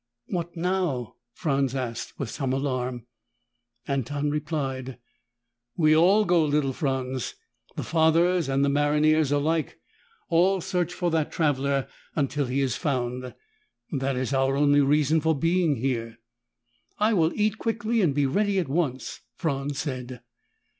"What now?" Franz asked, with some alarm. Anton replied, "We all go, little Franz. The Fathers and the maronniers alike, all search for that traveler until he is found. That is our only reason for being here." "I will eat quickly and be ready at once," Franz said.